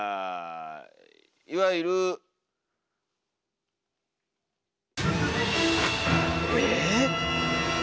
いわゆる。え？